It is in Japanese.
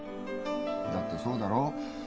だってそうだろ？